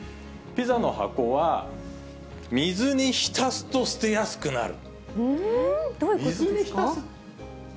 ピザの箱は、水に浸すと捨てやすくなる。